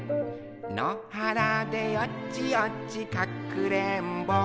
のはらでよちよちかくれんぼ」